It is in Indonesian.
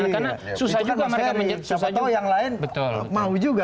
karena susah juga mereka menjadikan